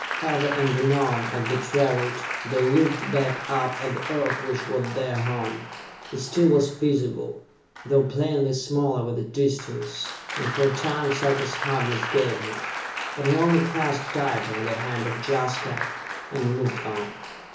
Ever and anon, as they traveled they looked back up at the Earth which was their home. It still was visible, though plainly smaller with distance, and for a time Sarka's heart misgave him; but he only clasped tighter the hand of Jaska and moved on.